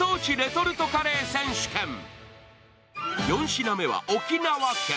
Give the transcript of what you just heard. ４品目は沖縄県。